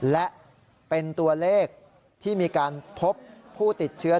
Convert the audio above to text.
และเป็นตัวเลขที่มีการพบผู้ติดเชื้อ